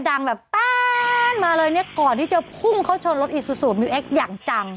ดังแบบแป๊นมาเลยเนี่ยก่อนที่จะพุ่งเข้าชนรถอีซูซูมิวเอ็กซ์อย่างจัง